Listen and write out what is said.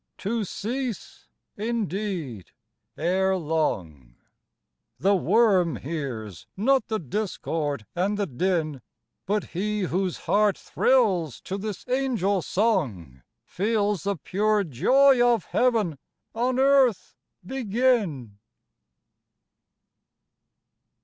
to cease, indeed, ere long; The worm hears not the discord and the din; But he whose heart thrills to this angel song, Feels the pure joy of heaven on earth begin!